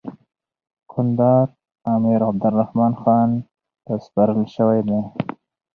کندهار امیر عبدالرحمن خان ته سپارل سوی دی.